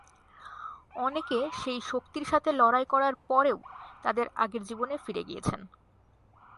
অনেকে সেই শক্তির সাথে লড়াই করার পরও তাদের আগের জীবনে ফিরে গিয়েছেন।